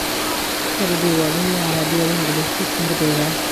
پر دیوالونو عربي او انګلیسي سربېره.